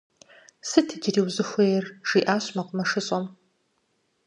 - Сыт иджыри узыхуейр? - жиӏащ мэкъумэшыщӏэм.